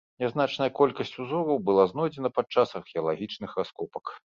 Нязначная колькасць узораў была знойдзена падчас археалагічных раскопак.